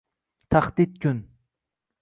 Tahdid Kun